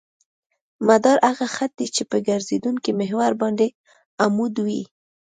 مدار هغه خط دی چې په ګرځېدونکي محور باندې عمود وي